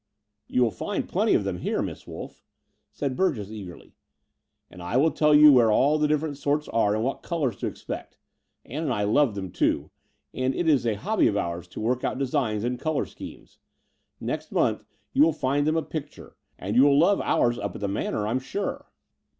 •'You will find plenty of them here. Miss Wolff," said Burgess eagerly "and I will tell you where all the different sorts are and what colours to ex pect. Ann and I love them, too; and it is a hobby of ours to work out designs and colour schemes. Next month you will find them a pic ture; and you will love ours up at the Manor, I'm sure."